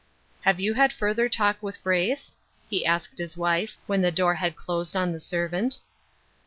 " Have you had further talk with Grace ?" he asked his wife, when the door had closed on the servant.